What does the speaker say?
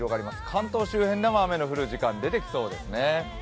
関東周辺でも雨の降る時間、出てきそうです。